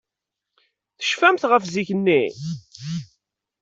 Tecfamt ɣef zik-nni?